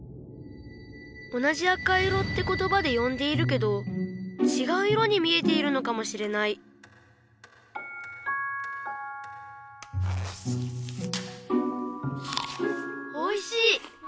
同じ「赤色」ってことばでよんでいるけどちがう色に見えているのかもしれないおいしい！